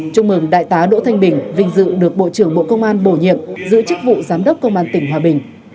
chúc mừng đại tá đỗ thanh bình vinh dự được bộ trưởng bộ công an bổ nhiệm giữ chức vụ giám đốc công an tỉnh hòa bình